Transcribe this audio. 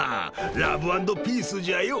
ラブ・アンド・ピースじゃよ！